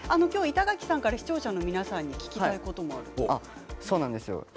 板垣さんが視聴者の皆さんに聞きたいことがあるそうですね。